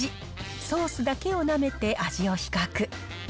ソースだけをなめて味を比較。